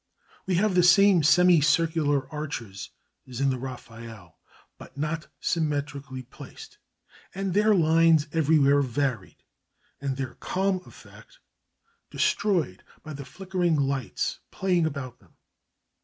We have the same semi circular arches as in the Raphael, but not symmetrically placed, and their lines everywhere varied, and their calm effect destroyed by the flickering lights playing about them.